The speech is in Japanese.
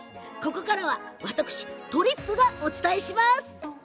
ここからは、私とりっぷがお伝えいたします。